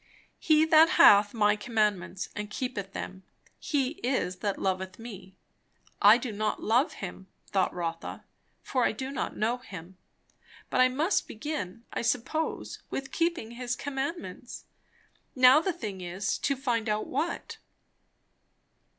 "He that hath my commandments and keepeth them, he it is that loveth me." I do not love Him, thought Rotha, for I do not know Him; but I must begin, I suppose, with keeping his commandments. Now the thing is, to find out what.